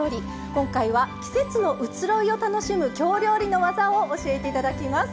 今回は季節の移ろいを楽しむ京料理の技を教えていただきます。